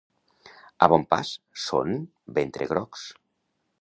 A Bompàs són ventre-grocs.